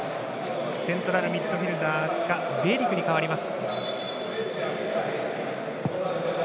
セントラルミッドフィールダーがビェリクに代わります。